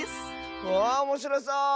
ああおもしろそう！